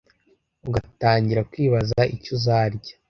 ugatangira kwibaza icyo uzarya